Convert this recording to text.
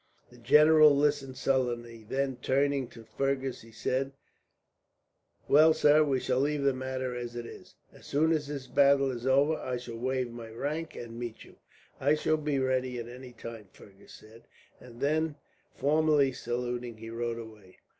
The general listened sullenly, then turning to Fergus, he said: "Well, sir, we shall leave the matter as it is. As soon as this battle is over, I shall waive my rank and meet you." "I shall be ready at any time," Fergus said; and then, formally saluting, he rode away.